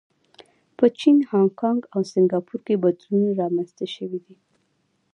په چین، هانکانګ او سنګاپور کې بدلونونه رامنځته شوي دي.